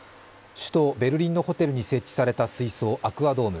首都ベルリンのホテルに設置された水槽、アクア・ドーム。